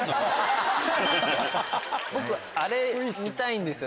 僕あれ見たいんですよ